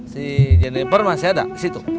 si jennifer masih ada di situ